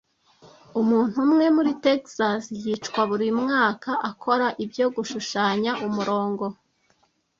Umuntu umwe muri Texas yicwa buri mwaka akora ibyo gushushanya umurongo